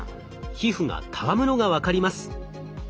皮膚がたわむのが分かります。